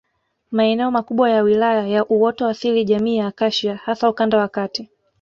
Maeneo makubwa ya Wilaya ya uoto asili jamii ya Akashia hasa ukanda wa Kati